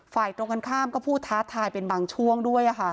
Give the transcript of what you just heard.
ตรงกันข้ามก็พูดท้าทายเป็นบางช่วงด้วย